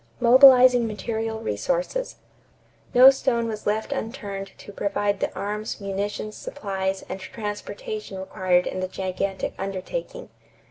=Mobilizing Material Resources.= No stone was left unturned to provide the arms, munitions, supplies, and transportation required in the gigantic undertaking.